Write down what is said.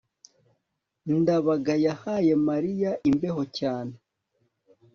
ndabaga yahaye mariya imbeho cyane